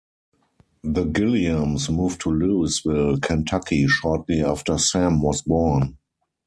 The Gilliams moved to Louisville, Kentucky, shortly after Sam was born.